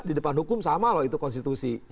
di depan hukum sama loh itu konstitusi